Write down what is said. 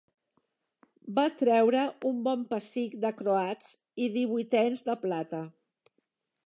Va treure un bon pessic de croats i divuitens de plata